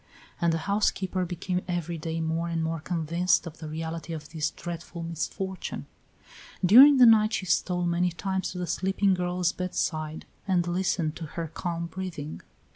And the housekeeper became every day more and more convinced of the reality of this dreadful misfortune. During the night she stole many times to the sleeping girl's bedside and listened to her calm breathing.